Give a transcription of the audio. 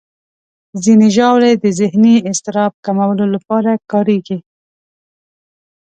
ځینې ژاولې د ذهني اضطراب کمولو لپاره کارېږي.